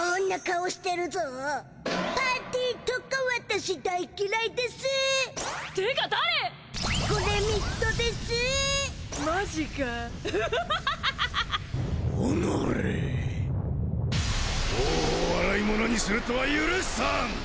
王を笑いものにするとは許さん！！